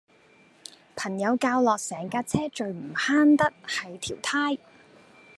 朋友教落成架車最唔慳得係條呔